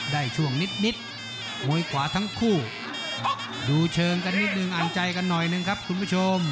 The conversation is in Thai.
ช่วงนิดมวยขวาทั้งคู่ดูเชิงกันนิดนึงอ่านใจกันหน่อยหนึ่งครับคุณผู้ชม